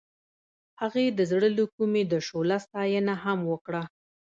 هغې د زړه له کومې د شعله ستاینه هم وکړه.